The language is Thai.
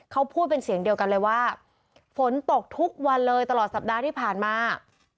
เขาพูดเป็นเสียงเดียวกันเลยว่าฝนตกทุกวันเลยตลอดสัปดาห์ที่ผ่านมา